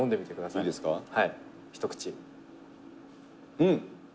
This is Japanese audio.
「うん！